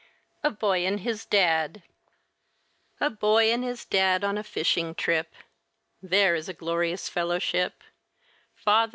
A BOY AND HIS DAD A boy and his dad on a fishing trip There is a glorious fellowship!